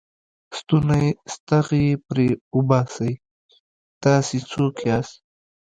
ستونی ستغ یې پرې وباسئ، تاسې څوک یاست؟